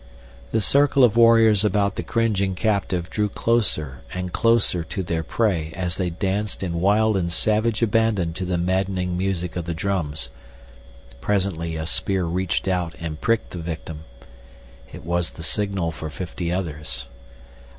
The circle of warriors about the cringing captive drew closer and closer to their prey as they danced in wild and savage abandon to the maddening music of the drums. Presently a spear reached out and pricked the victim. It was the signal for fifty others.